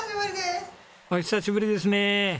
お久しぶりですね！